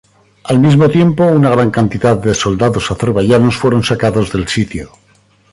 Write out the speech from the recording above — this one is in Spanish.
Al mismo tiempo, una gran cantidad de soldados azerbaiyanos fueron sacados del sitio.